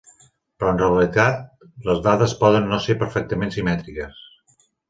Però en la realitat, les dades poden no ser perfectament simètriques.